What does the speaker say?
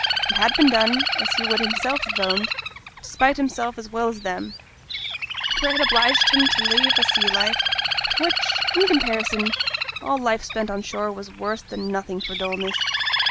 It had been done, as he would himself have owned, to spite himself as well as them; for it had obliged him to leave a sea life, to which, in comparison, all life spent on shore was worse than nothing for dulness.